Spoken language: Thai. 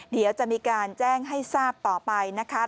เดี๋ยวจะมีการแจ้งให้ทราบต่อไปนะคะ